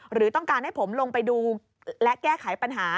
หรือต้องการให้ผมลงไปดูและแก้ไขปัญหา